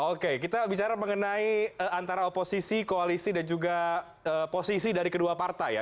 oke kita bicara mengenai antara oposisi koalisi dan juga posisi dari kedua partai ya